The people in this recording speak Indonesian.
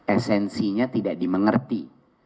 esensinya tidak dimengerti